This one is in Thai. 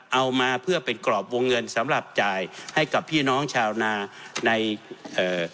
เอามาเพื่อเป็นกรอบวงเงินสำหรับจ่ายให้กับพี่น้องชาวนาในเอ่อ